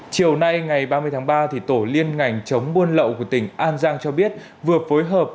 chiều nay ngày ba mươi tháng ba tổ liên ngành chống buôn lậu của tỉnh an giang cho biết vừa phối hợp